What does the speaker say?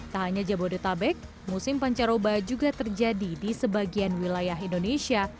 tak hanya jabodetabek musim pancaroba juga terjadi di sebagian wilayah indonesia